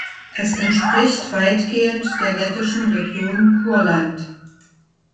Es entspricht weitgehend der lettischen Region Kurland.